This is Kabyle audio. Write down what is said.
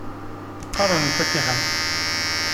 Qqaren lfatiḥa.